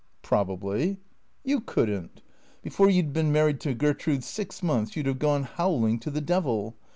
" Probably." " You could n't. Before you 'd been married to Gertrude six months you 'd have gone, howling, to the devil.